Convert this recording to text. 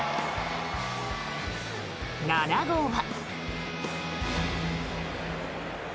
７号は。